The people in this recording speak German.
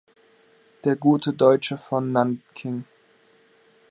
Der gute Deutsche von Nanking.